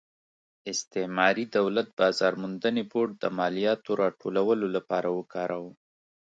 استعماري دولت بازار موندنې بورډ د مالیاتو راټولولو لپاره وکاراوه.